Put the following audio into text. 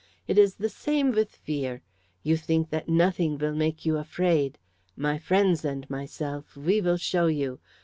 It is the same with fear. You think that nothing will make you afraid. My friends, and myself, we will show you.